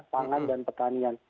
pangan dan petanian